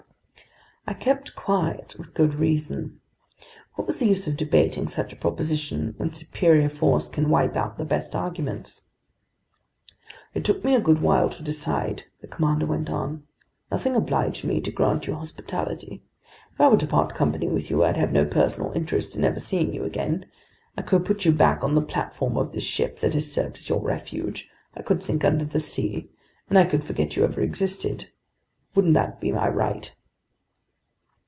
I kept quiet, with good reason. What was the use of debating such a proposition, when superior force can wipe out the best arguments? "It took me a good while to decide," the commander went on. "Nothing obliged me to grant you hospitality. If I were to part company with you, I'd have no personal interest in ever seeing you again. I could put you back on the platform of this ship that has served as your refuge. I could sink under the sea, and I could forget you ever existed. Wouldn't that be my right?"